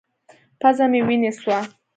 پزه مې وينې سوه.